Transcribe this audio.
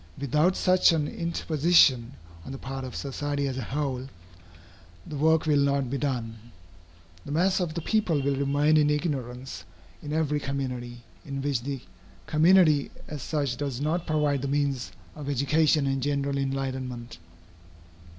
Without such an interposition on the part of society as a whole, the work will not be done. The mass of the people will remain in ignorance in every community, in which the community as such does not provide the means of education and general enlightenment.